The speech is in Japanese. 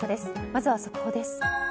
まずは速報です。